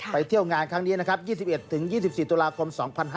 เที่ยวงานครั้งนี้นะครับ๒๑๒๔ตุลาคม๒๕๕๙